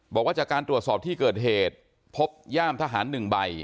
บอกว่าจากการตรวจสอบที่เกิดเหตุพบย่ามทหาร๑ใบ